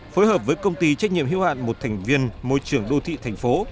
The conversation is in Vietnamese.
phối hợp với công ty trách nhiệm hưu hạn một thành viên môi trường đô thị tp